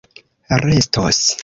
restos